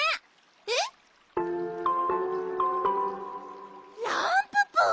えっ？ランププ！